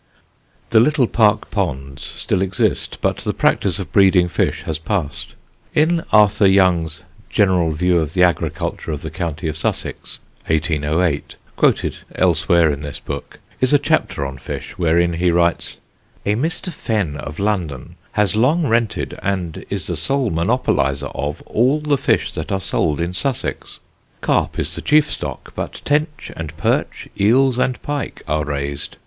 The Little Park ponds still exist, but the practice of breeding fish has passed. In Arthur Young's General View of the Agriculture of the County of Sussex, 1808, quoted elsewhere in this book, is a chapter on fish, wherein he writes: "A Mr. Fenn of London, has long rented, and is the sole monopolizer of, all the fish that are sold in Sussex. Carp is the chief stock; but tench and perch, eels and pike are raised.